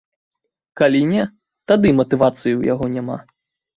Калі не, тады і матывацыі ў яго няма.